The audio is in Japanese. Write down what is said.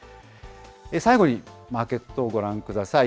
最後にマーケットをご覧ください。